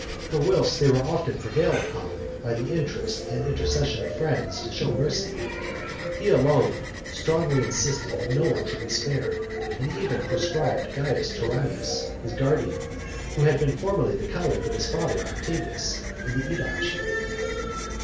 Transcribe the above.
For whilst they were often prevailed upon, by the interest and intercession of friends, to shew mercy, he alone strongly insisted that no one should be spared, and even proscribed Caius Toranius , his guardian; who had (90) been formerly the colleague of his father Octavius in the aedileship.